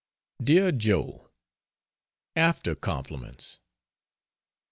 DEAR JOE, "After compliments."